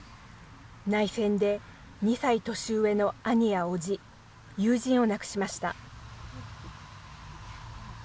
内戦で２歳年上の兄やおじ、友人を亡くしました。